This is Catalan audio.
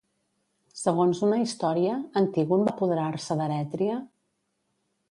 Segons una història, Antígon va apoderar-se d'Erètria?